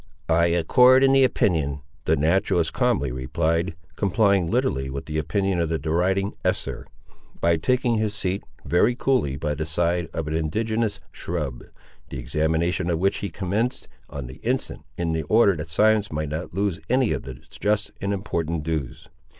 "I accord in the opinion," the naturalist calmly replied, complying literally with the opinion of the deriding Esther, by taking his seat, very coolly, by the side of an indigenous shrub; the examination of which he commenced, on the instant, in order that science might not loose any of its just and important dues.